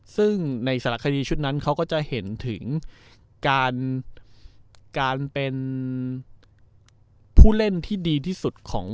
ซึ่งในสารคดีชุดนั้นเขาก็จะเห็นถึงการเป็นผู้เล่นที่ดีที่สุดของ